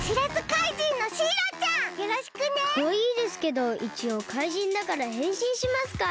かわいいですけどいちおうかいじんだからへんしんしますか。